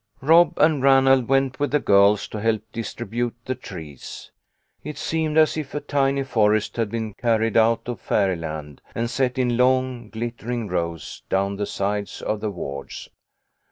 Rob and Ranald went with the girls to help dis tribute the trees. It seemed as if a tiny forest had been carried out of fairyland and set in long, glit tering rows down the sides of the wards.